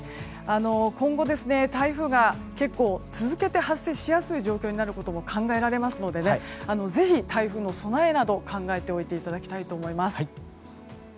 今後、台風が結構、続けて発生しやすい状況になることも考えられますのでぜひ、台風の備えなど考えていただきたいと思います。